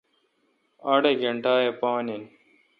اڑ گینٹہ اے° پان این۔